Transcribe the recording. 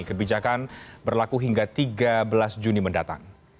kebijakan berlaku hingga tiga belas juni mendatang